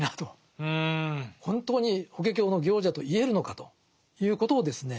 本当に「法華経の行者」と言えるのかということをですね